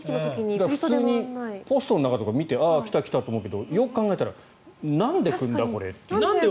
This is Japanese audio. ポスト見てああ来た来たと思うけどよく考えたらなんで来るんだ、これ？